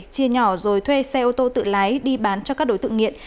chia nhỏ rồi thuê xe ô tô tự lái đi bán cho các đối tượng nghiện